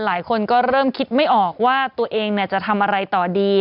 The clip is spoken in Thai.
หลายคนก็เริ่มคิดไม่ออกว่าตัวเองจะทำอะไรต่อดี